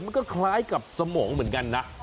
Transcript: มันก็คล้ายกับสมองเหมือนกันนะ